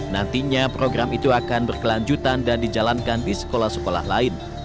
nantinya program itu akan berkelanjutan dan dijalankan di sekolah sekolah lain